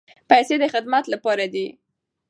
پیسې د خدمت لپاره دي.